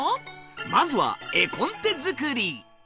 まずは絵コンテ作り。